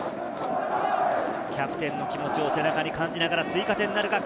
キャプテンの気持ちを背中に感じながら、追加点なるか？